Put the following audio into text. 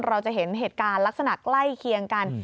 เราจะเห็นเหตุการณ์ลักษณะใกล้เคียงกัน